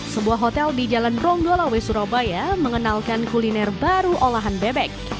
sebuah hotel di jalan ronggolawe surabaya mengenalkan kuliner baru olahan bebek